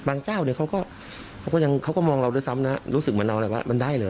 เจ้าเนี่ยเขาก็มองเราด้วยซ้ำนะรู้สึกเหมือนเราแหละว่ามันได้เหรอ